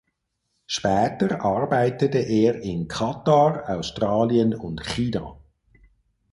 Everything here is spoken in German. Später arbeitete er in Katar, Australien und China.